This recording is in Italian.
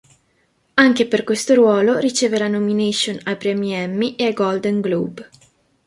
Anche per questo ruolo riceve la nomination ai Premi Emmy e ai Golden Globe.